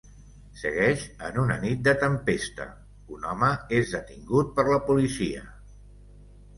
Segueix, en una nit de tempesta, un home és detingut per la policia.